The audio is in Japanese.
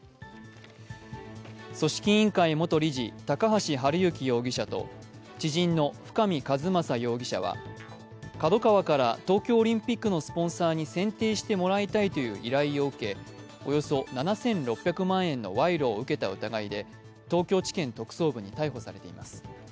組織委員会元理事高橋治之容疑者と知人の深見和政容疑者は、ＫＡＤＯＫＡＷＡから東京オリンピックのスポンサーに選定してもらいたいという依頼を受けおよそ７６００万円の賄賂を受けた疑いで、東京地検特捜部に逮捕されています。